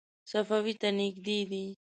صفوي ته نږدې دی.